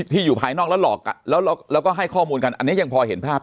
ที่อยู่ภายนอกแล้วหลอกแล้วก็ให้ข้อมูลกันอันนี้ยังพอเห็นภาพ